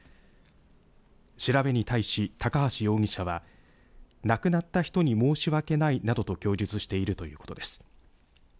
調べに対し、高橋容疑者は亡くなった人に申し訳ないなどと供述しているということです。